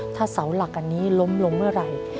ถ้าเสาหลักอันนี้ล้มลงเมื่อไหร่